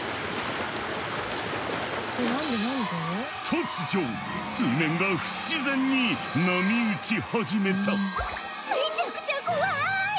突如水面が不自然に波打ち始めた。